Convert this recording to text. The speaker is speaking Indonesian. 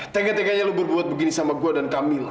tengah tengahnya lo berbuat begini sama gue dan camilla